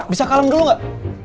bisa kalem dulu nggak